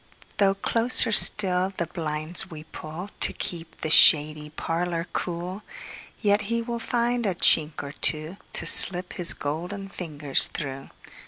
Though closer still the blinds we pullTo keep the shady parlour cool, Yet he will find a chink or twoTo slip his golden fingers through.